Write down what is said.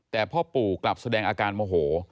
แต่พ่อปู่กลับแสดงอาการโมโห